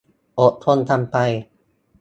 อดทนกันไป